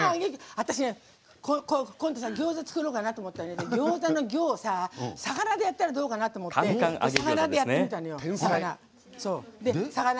私、今度、ギョーザを作ろうと思ったんだけどギョーザの「ギョ」を「魚」でやったらどうかなって思って魚でやってみたのよ。